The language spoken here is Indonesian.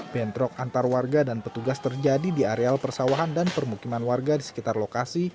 bentrok antar warga dan petugas terjadi di areal persawahan dan permukiman warga di sekitar lokasi